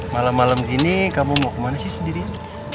malam malam ini kamu mau kemana sih sendirian